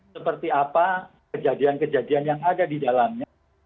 seperti apa kejadian kejadian yang ada di dalamnya